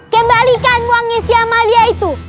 kembalikan wangi si amalia itu